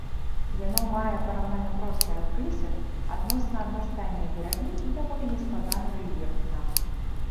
Яно мае параўнальна простыя абрысы, адносна аднастайныя берагі і даволі нескладаны рэльеф дна.